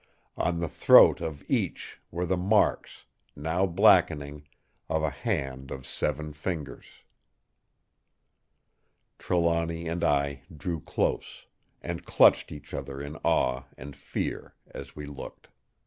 "On the throat of each were the marks, now blackening, of a hand of seven fingers. "Trelawny and I drew close, and clutched each other in awe and fear as we looked.